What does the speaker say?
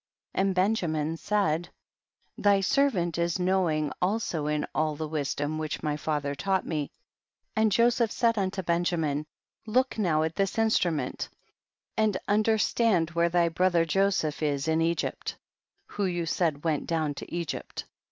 And Benjamin said, thy ser vant is knowing also in all the wis dom which my father taught me, and Joseph said unto Benjamin, look now at this instrument and understand where thy brother Joseph is in Egypt, who you said went down to Egypt.